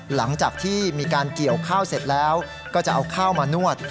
หลังจากที่มีการเกี่ยวข้าวเสร็จแล้วก็จะเอาข้าวมานวด